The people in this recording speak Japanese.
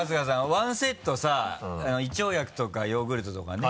ワンセットさ胃腸薬とかヨーグルトとかね。